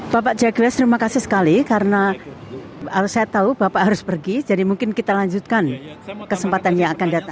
bapak jagures terima kasih sekali karena saya tahu bapak harus pergi jadi mungkin kita lanjutkan kesempatan yang akan datang